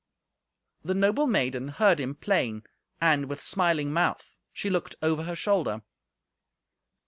The noble maiden heard him plain, and, with smiling mouth, she looked over her shoulder.